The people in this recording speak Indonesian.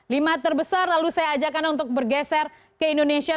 lima terbesar lalu saya ajakkan untuk bergeser ke indonesia